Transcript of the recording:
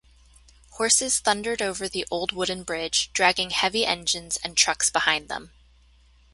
Horses thundered over the old wooden bridge, dragging heavy engines and trucks behind them.